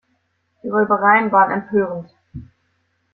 Die Räubereien waren empörend.